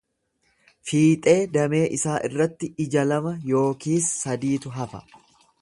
Fiixee damee isaa irratti ija lama yookiis sadiitu hafa.